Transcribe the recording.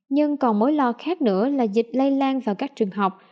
nhưng còn mối lo khác nữa là dịch lây lan vào các trường học